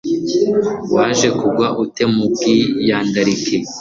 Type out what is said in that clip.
waje kugwa ute mu bwiyandarike